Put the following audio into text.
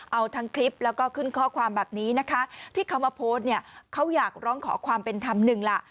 เอาทั้งคลิปแล้วก็ขึ้นข้อความแบบนี้นะคะที่เขามาโพสต์เนี่ยเขาอยากร้องขอความเป็นธรรมหนึ่งล่ะ